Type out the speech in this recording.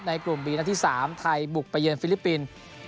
ในกลุ่มบีนาที๓ไทยบุกประเยินฟิลิปปินส์